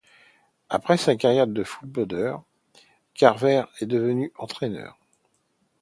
Après sa carrière de footballeur, Carver est devenu entraîneur.